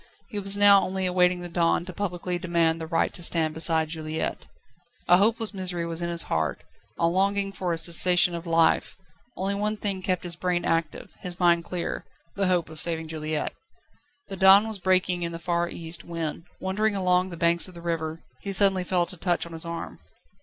He was now only awaiting the dawn to publicly demand the right to stand beside Juliette. A hopeless misery was in his heart, a longing for a cessation of life; only one thing kept his brain active, his mind clear: the hope of saving Juliette. The dawn was breaking in the far east when, wandering along the banks of the river, he suddenly felt a touch on his arm.